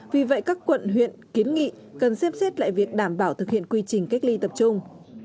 vì vậy các quận huyện kiến nghị cần xem xét lại việc đảm bảo thực hiện quy trình cách ly tập trung